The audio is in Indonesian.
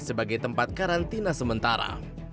sebagai tempat karantina sementara